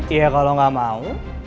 iya kalau gak mau